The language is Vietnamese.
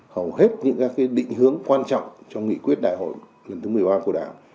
hầu hết những định hướng quan trọng trong nghị quyết đại hội lần thứ một mươi ba của đảng